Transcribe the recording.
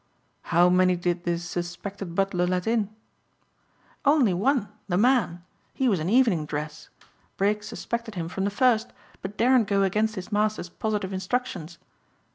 "How many did this suspected butler let in?" "Only one, the man. He was in evening dress. Briggs suspected him from the first, but daren't go against his master's positive instructions.